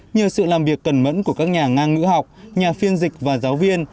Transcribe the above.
nhờ sự làm việc cẩn mẫn của các nhà ngang ngữ học nhà phiên dịch và giáo viên